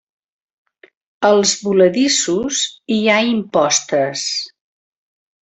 Als voladissos hi ha impostes.